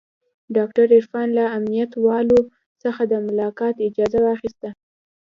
ډاکتر عرفان له امنيت والاو څخه د ملاقات اجازه واخيسته.